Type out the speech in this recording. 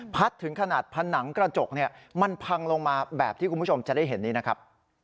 ถึงขนาดผนังกระจกเนี่ยมันพังลงมาแบบที่คุณผู้ชมจะได้เห็นนี้นะครับ